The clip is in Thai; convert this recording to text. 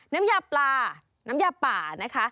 น้ำยาปลาน้ำยาป่านะคะ